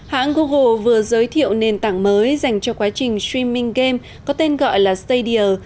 hãng google vừa giới thiệu nền tảng mới dành cho quá trình streaming game có tên gọi là statia